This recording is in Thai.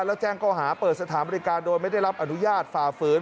แล้วแจ้งก็หาเปิดสถานบริการโดยไม่ได้รับอนุญาตฝ่าฝืน